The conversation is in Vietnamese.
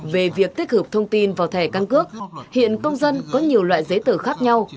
về việc tích hợp thông tin vào thẻ căn cước hiện công dân có nhiều loại giấy tờ khác nhau